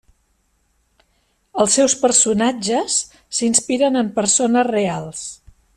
Els seus personatges s'inspiren en persones reals.